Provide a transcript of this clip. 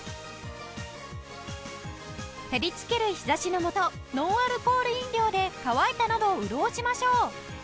照りつける日差しの下ノンアルコール飲料で渇いたのどを潤しましょう！